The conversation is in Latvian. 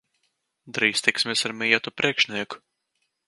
Drīz tiksimies ar mīļoto priekšnieku.